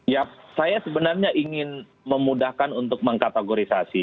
ya saya sebenarnya ingin memudahkan untuk mengkategorisasi